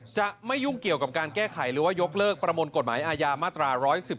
จะไม่ยุ่งเกี่ยวกับการแก้ไขหรือว่ายกเลิกประมวลกฎหมายอาญามาตรา๑๑๒